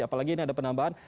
apalagi ini ada penambahan